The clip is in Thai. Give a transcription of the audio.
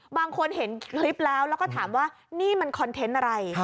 บางคนเห็นคลิปแล้วแล้วก็ถามว่านี่มันคอนเทนต์อะไร